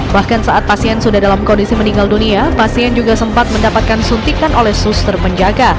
bahkan saat pasien sudah dalam kondisi meninggal dunia pasien juga sempat mendapatkan suntikan oleh suster penjaga